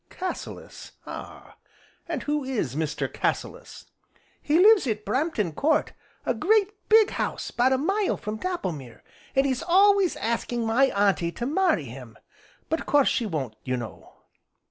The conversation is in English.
"Cassilis, ah! And who is Mr. Cassilis?" "He lives at 'Brampton Court' a great, big house 'bout a mile from Dapplemere; an' he's always asking my Auntie to marry him, but 'course she won't you know."